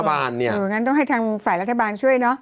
อย่างนั้นต้องให้ทางฝ่ายรัฐบาลช่วยเนอะ